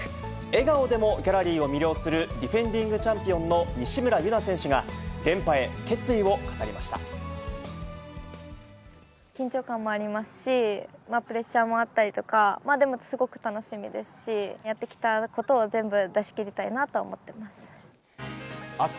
笑顔でもギャラリーを魅了する、ディフェンディングチャンピオンの西村優菜選手が、連覇へ決意を緊張感もありますし、プレッシャーもあったりとか、でもすごく楽しみですし、やってきたことを全部出し切りたいなと思ってます。